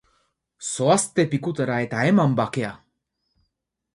Zoazte pikutara eta eman bakea!